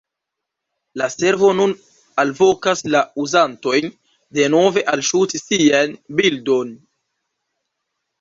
La servo nun alvokas la uzantojn denove alŝuti siajn bildojn.